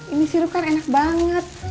ini sirup kan enak banget